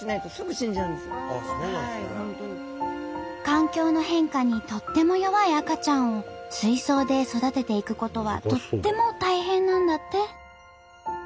環境の変化にとっても弱い赤ちゃんを水槽で育てていくことはとっても大変なんだって。